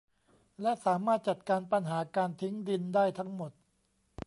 และสามารถจัดการปัญหาการทิ้งดินได้ทั้งหมด